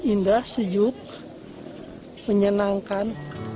indah sejuk menyenangkan